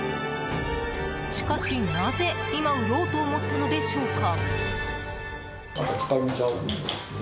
しかし、なぜ今売ろうと思ったのでしょうか？